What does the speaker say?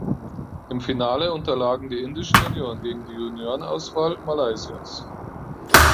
Im Finale unterlagen die indischen Junioren gegen die Juniorenauswahl Malaysias.